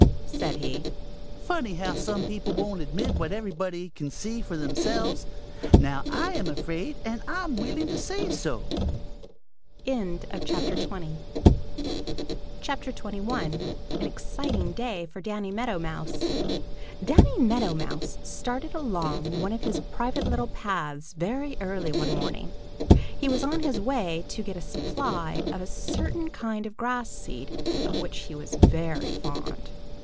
said he. "Funny how some people won't admit what everybody can see for themselves. Now, I am afraid, and I'm willing to say so." XXI AN EXCITING DAY FOR DANNY MEADOW MOUSE DANNY MEADOW MOUSE started along one of his private little paths very early one morning. He was on his way to get a supply of a certain kind of grass seed of which he is very fond.